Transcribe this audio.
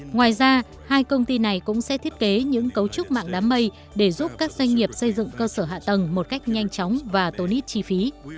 ngoài ra hai công ty này cũng sẽ thiết kế những cấu trúc mạng đám mây để giúp các doanh nghiệp xây dựng cơ sở hạ tầng một cách nhanh chóng và tốn ít chi phí